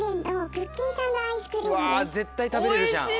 うわ絶対食べれるじゃん。